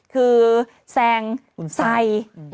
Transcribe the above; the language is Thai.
คือแซงซัย